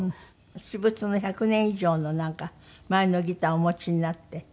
私物の１００年以上のなんか前のギターをお持ちになって。